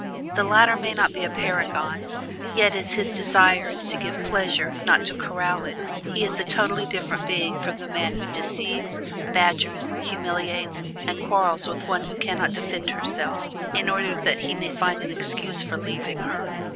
The latter may not be a paragon, yet as his desire is to give pleasure, not to corral it, he is a totally different being from the man who deceives, badgers, humiliates, and quarrels with one who can not defend herself, in order that he may find an excuse for leaving her.